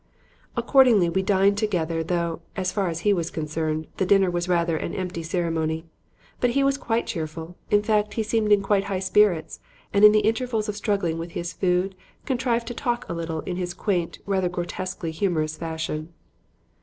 Accordingly we dined together, though, as far as he was concerned, the dinner was rather an empty ceremony. But he was quite cheerful; in fact, he seemed in quite high spirits, and in the intervals of struggling with his food contrived to talk a little in his quaint, rather grotesquely humorous fashion.